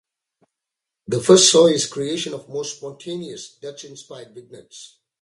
The first saw his creation of more spontaneous, Dutch inspired vignettes.